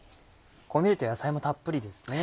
こう見ると野菜もたっぷりですね。